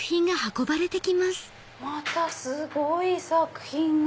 またすごい作品が！